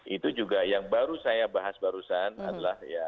itu juga yang baru saya bahas barusan adalah